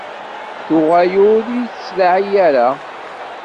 Tuɣal ur iyi-tettlaɛi ara.